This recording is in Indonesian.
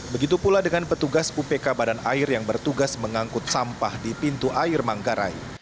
begitu pula dengan petugas upk badan air yang bertugas mengangkut sampah di pintu air manggarai